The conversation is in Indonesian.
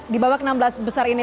di babak enam belas besar ini